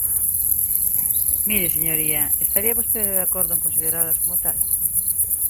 Mire, señoría, ¿estaría vostede de acordo en consideralas como tal?